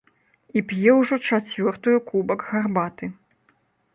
І п'е ўжо чацвёртую кубак гарбаты.